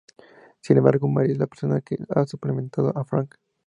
Sin embargo, Mary es la persona que ha suplantando a Frank.